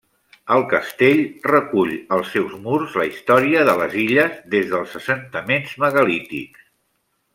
El castell recull als seus murs la història de les Illes des dels assentaments megalítics.